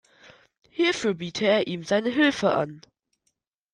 Hierfür biete er ihm seine Hilfe an.